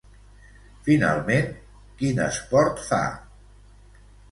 Finalment, quin esport fa?